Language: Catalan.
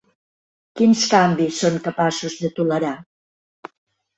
Quins canvis són capaços de tolerar?